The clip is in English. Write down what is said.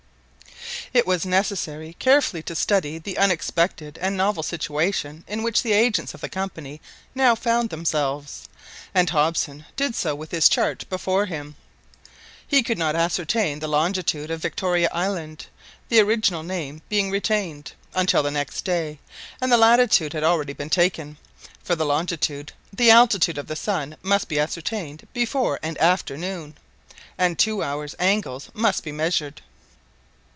It was necessary carefully to study the unexpected and novel situation in which the agents of the Company now found themselves, and Hobson did so with his chart before him. He could not ascertain the longitude of Victoria Island—the original name being retained—until the next day, and the latitude had already been taken. For the longitude, the altitude of the sun must be ascertained before and after noon, and two hour angles must be measured.